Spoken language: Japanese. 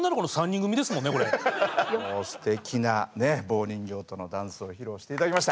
すてきなね棒人形とのダンスを披露して頂きました。